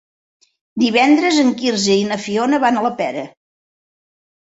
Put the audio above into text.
Divendres en Quirze i na Fiona van a la Pera.